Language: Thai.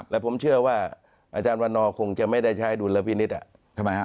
และผมเชื่อว่าอาจารย์วันนอร์คงจะไม่ได้ใช้ดุลพินิษฐ์ทำไมฮะ